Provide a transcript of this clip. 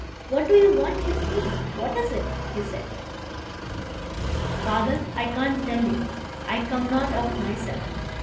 What do you want with me? What is it?" he said. "Father, I can't tell you. I come not of myself.